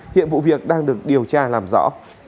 hiện vụ việc đang được điều tra làm rõ